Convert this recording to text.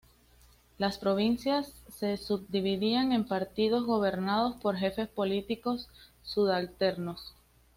Las provincias se subdividían en partidos, gobernados por jefes políticos subalternos.